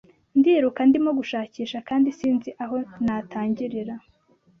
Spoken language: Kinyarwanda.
Ndiruka Ndimo gushakisha kandi sinzi aho natangirira